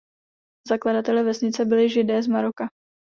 Zakladateli vesnice byli Židé z Maroka.